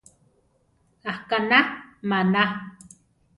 Aʼkaná maná.